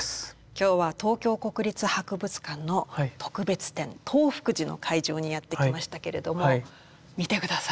今日は東京国立博物館の特別展東福寺の会場にやって来ましたけれども見て下さい。